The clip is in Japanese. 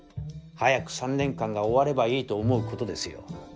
早く３年間が終わればいいと思うことですよ。